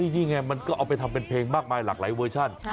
นี่ไงมันก็เอาไปทำเป็นเพลงมากมายหลากหลายเวอร์ชัน